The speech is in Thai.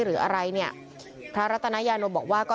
หรืออะไรเพราะระตานายานว่าก็